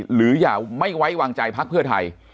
อย่าไม่ไว้วางใจพักเพื่อไทย